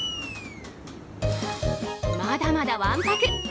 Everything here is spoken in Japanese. まだまだわんぱく。